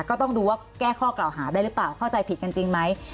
ก็ต้องดูว่าแก้ข้อกล่าวหาได้หรือเปล่าเข้าใจผิดกันจริงไหม